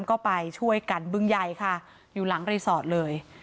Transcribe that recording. ก็ไปช่วยกันบึงใหญ่ค่ะอยู่หลังรีสอร์ทเลย